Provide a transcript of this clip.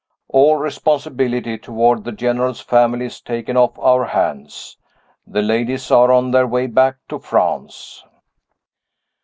"All responsibility toward the General's family is taken off our hands. The ladies are on their way back to France."